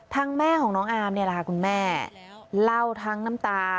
แม่ของน้องอามนี่แหละค่ะคุณแม่เล่าทั้งน้ำตา